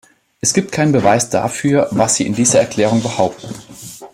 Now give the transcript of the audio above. Es gibt keinen Beweis dafür, was Sie in dieser Erklärung behaupten.